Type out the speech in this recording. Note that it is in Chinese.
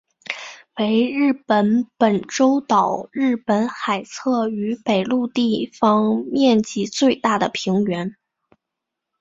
为日本本州岛日本海侧与北陆地方面积最大的平原。